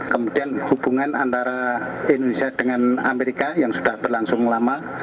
kemudian hubungan antara indonesia dengan amerika yang sudah berlangsung lama